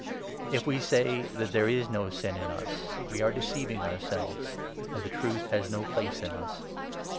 If we say that there is no sin in us, we are deceiv 8 ing ourselves, and the Truth has no place in us.